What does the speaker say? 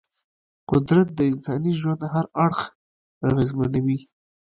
قدرت د انساني ژوند هر اړخ اغېزمنوي.